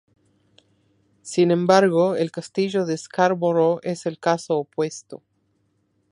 Sin embargo, el castillo de Scarborough es el caso opuesto.